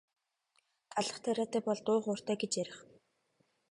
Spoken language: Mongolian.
Талх тариатай бол дуу хууртай гэж ярих.